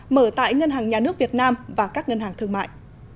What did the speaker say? mở tại ngân hàng nhà nước việt nam và các ngân hàng thương mại